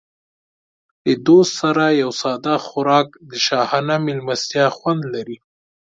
له دوست سره یو ساده خوراک د شاهانه مېلمستیا خوند لري.